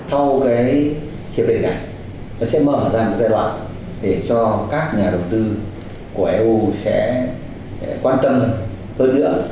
sau cái hiệp định này nó sẽ mở ra một giai đoạn để cho các nhà đầu tư của eu sẽ quan tâm hơn nữa